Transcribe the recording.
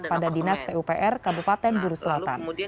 pada dinas pupr kabupaten guru selatan